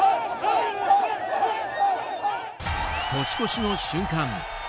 年越しの瞬間